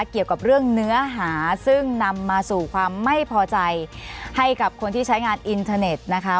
เกี่ยวกับเรื่องเนื้อหาซึ่งนำมาสู่ความไม่พอใจให้กับคนที่ใช้งานอินเทอร์เน็ตนะคะ